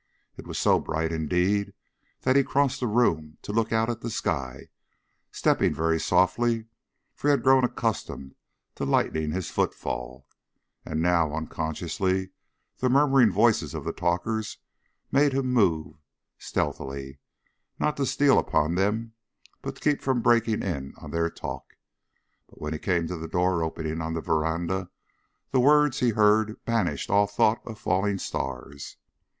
It was so bright, indeed, that he crossed the room to look out at the sky, stepping very softly, for he had grown accustomed to lightening his footfall, and now unconsciously the murmuring voices of the talkers made him move stealthily not to steal upon them, but to keep from breaking in on their talk. But when he came to the door opening on the veranda the words he heard banished all thought of falling stars.